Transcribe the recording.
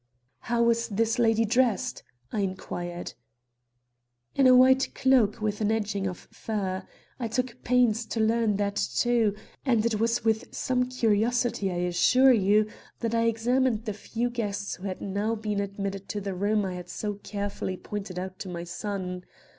"How was this lady dressed?" I inquired. "In a white cloak, with an edging of fur. I took pains to learn that, too, and it was with some curiosity, I assure you, that I examined the few guests who had now been admitted to the room I had so carefully pointed out to my son.